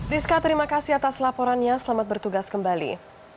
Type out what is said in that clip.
rizka terima kasih atas laporannya selamat bertugas kembali